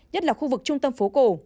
nhất là khu vực trung tâm phố cổ